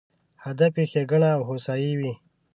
هدف یې ښېګڼه او هوسایي وي.